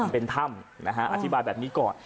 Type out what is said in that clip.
เป็นถ้ำนะฮะอธิบายแบบนี้ก่อน